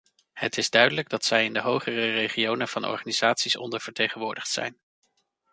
Het is duidelijk dat zij in de hogere regionen van organisaties ondervertegenwoordigd zijn.